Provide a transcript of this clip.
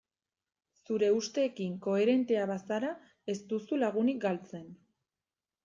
Zure usteekin koherentea bazara ez duzu lagunik galtzen.